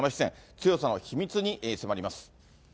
強さの秘密に迫ります。